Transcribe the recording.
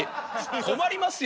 困りますよ